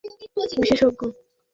বিশু, আমি মনোরোগ বিশেষজ্ঞ।